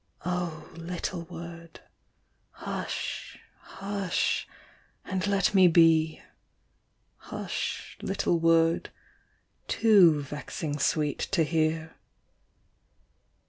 Oh little word, hush, hush, and let me be ; Hush, little word, too vexing sweet to hear.